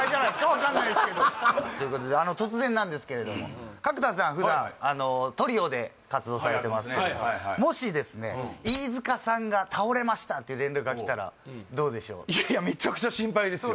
分かんないですけどということで突然なんですけれど角田さん普段トリオで活動されてますけどもはいはいもしですねって連絡がきたらどうでしょういやめちゃくちゃ心配ですよ